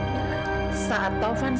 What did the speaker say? saat taufan sempat berjalan ke rumah kamu